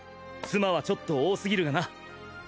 妻はちょっと多すぎるがな。